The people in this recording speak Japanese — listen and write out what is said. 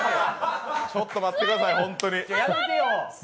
ちょっと待ってください、本当に。